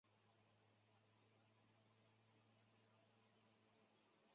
剑桥大学菲茨威廉学院是剑桥大学下属的一个学院。